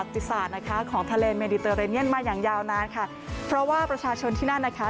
ทะเลเมดิเตอร์เรเนียนมาอย่างยาวนานค่ะเพราะว่าประชาชนที่นั่นนะคะ